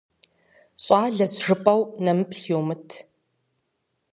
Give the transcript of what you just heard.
ЩӀалэщ жыпӀэу нэмыплъ йумыт.